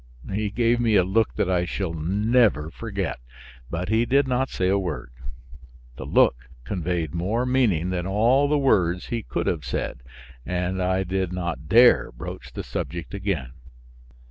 He gave me a look that I shall never forget, but he did not say a word. The look conveyed more meaning than all the words he could have said, and I did not dare broach the subject again.